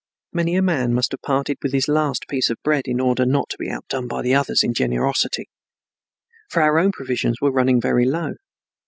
Many a man must have parted with his last piece of bread in order not to be outdone by the others in generosity, for our own provisions were running very low.